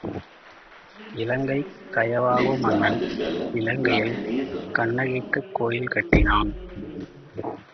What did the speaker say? இலங்கைக் கயவாகு மன்னன் இலங்கையில் கண்ணகிக்குக் கோயில் கட்டினான்.